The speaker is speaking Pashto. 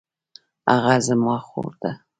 هغه زما خور ده